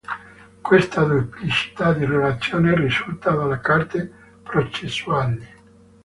Questa duplicità di relazioni risulta dalle carte processuali.